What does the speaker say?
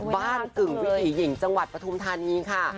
บ้านกึ่งวิถีหญิงจังหวัดปทุมธรรมนี้ค่ะ